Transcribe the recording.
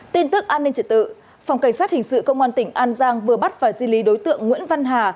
tin tức an ninh trật tự phòng cảnh sát hình sự công an tỉnh an giang vừa bắt và di lý đối tượng nguyễn văn hà